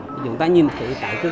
chúng ta nhìn thử tại khu vực